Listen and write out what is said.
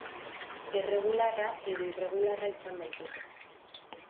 Erregularra edo irregularra izan daiteke.